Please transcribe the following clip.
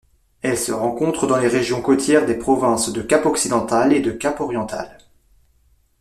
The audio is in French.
Elle se rencontre dans les régions côtières des provinces de Cap-Occidental et de Cap-Oriental.